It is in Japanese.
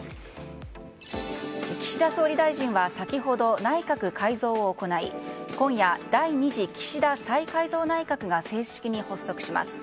岸田総理大臣は先ほど内閣改造を行い今夜、第２次岸田再改造内閣が正式に発足します。